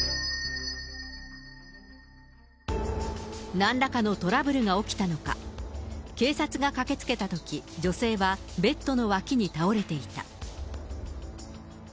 なんらかのトラブルが起きたのか、警察が駆けつけたとき、女性はベッドの脇に倒れていた。